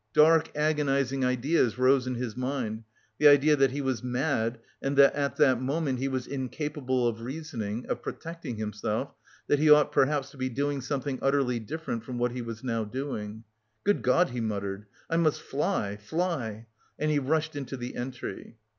Dark agonising ideas rose in his mind the idea that he was mad and that at that moment he was incapable of reasoning, of protecting himself, that he ought perhaps to be doing something utterly different from what he was now doing. "Good God!" he muttered "I must fly, fly," and he rushed into the entry.